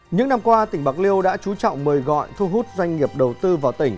những năm qua tỉnh bạc liêu đã chú trọng mời gọi thu hút doanh nghiệp đầu tư vào tỉnh